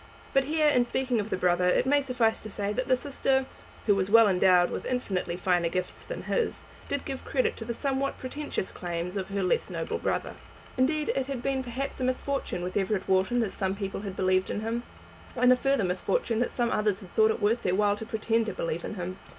But here, in speaking of the brother, it may suffice to say, that the sister, who was endowed with infinitely finer gifts than his, did give credit to the somewhat pretentious claims of her less noble brother. Indeed it had been perhaps a misfortune with Everett Wharton that some people had believed in him, and a further misfortune that some others had thought it worth their while to pretend to believe in him.